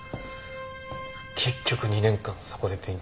結局２年間そこで勉強しました。